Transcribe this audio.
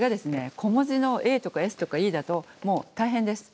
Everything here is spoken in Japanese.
小文字のａとかｓとかｅだともう大変です。